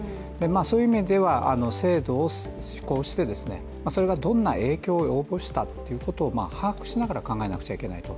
そういう意味では、制度を施行して、それがどんな影響を及ぼしたということを把握しながら考えなくちゃいけないと。